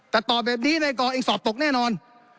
แต่ตอบแบบนี้ในกรเองสอบตกแน่นอน